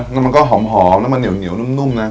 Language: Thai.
แล้วมันก็หอมแล้วมันเหนียวนุ่มนะ